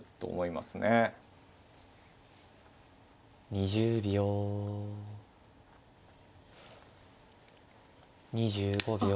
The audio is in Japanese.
２５秒。